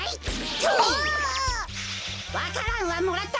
わか蘭はもらった！